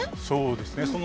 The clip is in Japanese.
そうですね。